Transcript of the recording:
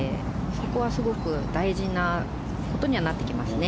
そこはすごく大事なことにはなってきますね